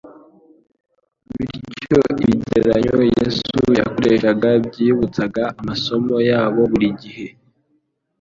Bityo ibigereranyo Yesu yakoreshaga byibutsaga amasomo yabo buri gihe.